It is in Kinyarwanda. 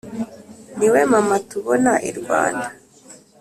ni we mana tubona i rwanda.